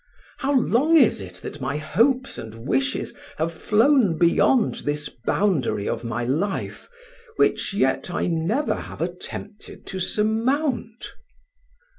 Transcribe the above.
How long is it that my hopes and wishes have flown beyond this boundary of my life, which yet I never have attempted to surmount?"